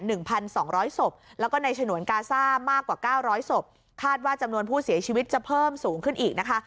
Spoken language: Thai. หนึ่งพันสองร้อยศพแล้วก็ในฉนวนกาซ่ามากกว่าเก้าร้อยศพคาดว่าจำนวนผู้เสียชีวิตจะเพิ่มสูงขึ้นอีกนะคะ